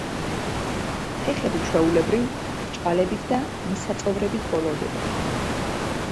ფეხები ჩვეულებრივ ბრჭყალებით და მისაწოვრებით ბოლოვდება.